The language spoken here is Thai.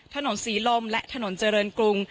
ถนนศรีลมและถนนเจริญกรุง